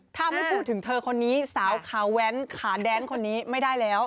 ถ้าไม่พูดถึงเธอคนนี้สาวขาแว้นขาแดนคนนี้ไม่ได้แล้ว